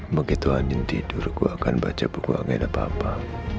begitu anjing tidur gue akan baca buku anggil bapak